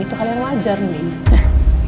itu hal yang wajar nih